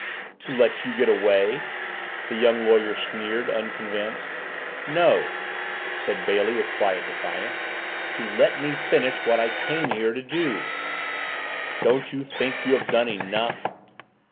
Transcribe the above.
"To let you get away?" the young lawyer sneered, unconvinced. "No," said Bailey with quiet defiance. "To let me finish what I came here to do." "Don't you think you have done enough?"